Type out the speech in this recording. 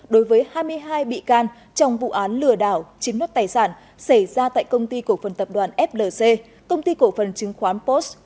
đối với hai mươi hai bị can trong vụ án lừa đảo chiếm nốt tài sản xảy ra tại công ty cổ phần tập đoàn flc công ty cổ phần chứng khoán post